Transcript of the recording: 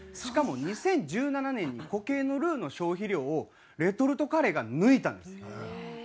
しかも２０１７年に固形のルーの消費量をレトルトカレーが抜いたんです。